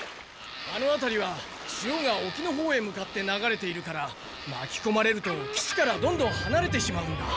あのあたりは潮が沖のほうへ向かって流れているからまきこまれると岸からどんどんはなれてしまうんだ。